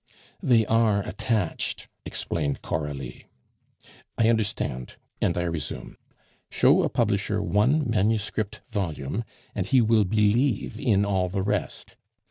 "They are attached," explained Coralie. "I understand, and I resume. Show a publisher one manuscript volume and he will believe in all the rest.